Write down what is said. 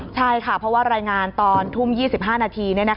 ใช่ค่ะเพราะว่ารายงานตอนทุ่ม๒๕นาที